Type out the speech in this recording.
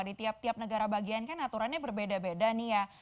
di tiap tiap negara bagian kan aturannya berbeda beda nih ya